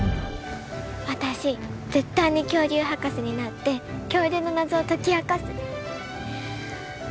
私絶対に恐竜博士になって恐竜の謎を解き明かす！